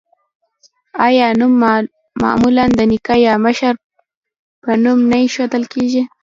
آیا نوم معمولا د نیکه یا مشر په نوم نه ایښودل کیږي؟